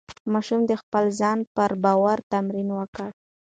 ماشوم د خپل ځان پر باور تمرین وکړي.